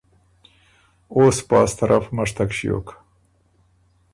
اوسپاس طرف مشتک ݭیوک